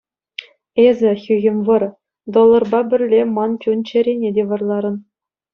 Эсӗ, хӳхӗм вӑрӑ, долларпа пӗрле ман чун-чӗрене те вӑрларӑн.